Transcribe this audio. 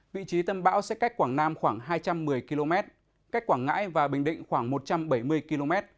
vị trí tâm bão sẽ cách quảng nam khoảng hai trăm một mươi km cách quảng ngãi và bình định khoảng một trăm bảy mươi km